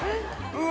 うわ！